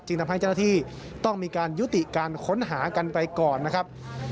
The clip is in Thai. ทำให้เจ้าหน้าที่ต้องมีการยุติการค้นหากันไปก่อนนะครับ